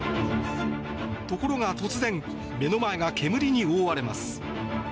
ところが、突然目の前が煙に覆われます。